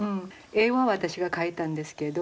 絵は私が描いたんですけど。